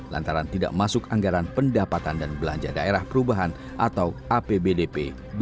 lantaran tidak masuk anggaran pendapatan dan belanja daerah perubahan atau apbdp dua ribu dua puluh